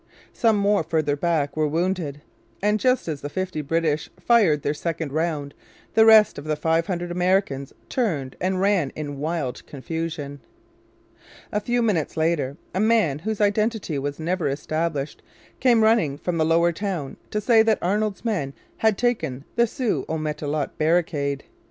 Some more farther back were wounded. And just as the fifty British fired their second round the rest of the five hundred Americans turned and ran in wild confusion. A few minutes later a man whose identity was never established came running from the Lower Town to say that Arnold's men had taken the Sault au Matelot barricade.